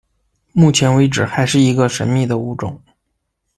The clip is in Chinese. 目前为止还是一个神秘的物种。